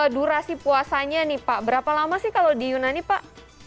durasi puasanya nih pak berapa lama sih kalau di yunani pak